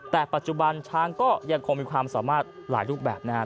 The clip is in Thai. แต่ปัจจุบันช้างก็ยังคงมีความสามารถหลายรูปแบบนะครับ